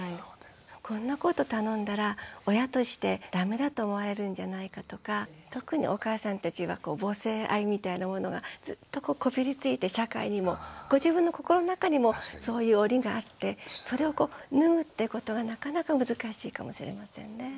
こんなこと頼んだら親として駄目だと思われるんじゃないかとか特にお母さんたちは母性愛みたいなものがずっとこびりついて社会にもご自分の心の中にもそういうおりがあってそれを脱ぐってことがなかなか難しいかもしれませんね。